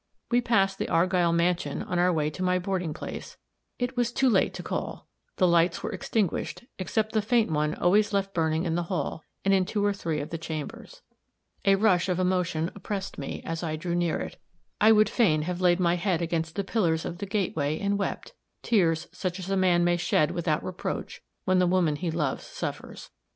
We passed the Argyll mansion on our way to my boarding place; it was too late to call; the lights were extinguished, except the faint one always left burning in the hall, and in two or three of the chambers. A rush of emotion oppressed me, as I drew near it; I would fain have laid my head against the pillars of the gateway and wept tears such as a man may shed without reproach, when the woman he loves suffers.